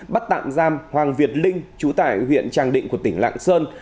bắt tạm giam hoàng việt linh chú tải huyện tràng định của tỉnh lạng sơn